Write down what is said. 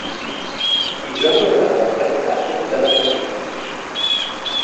Il gioco è stato apprezzato dalla critica.